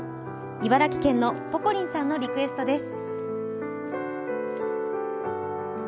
茨城県のポコリンさんのリクエストです。